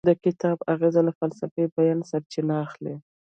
د کتاب اغیز له فلسفي بیانه سرچینه اخلي.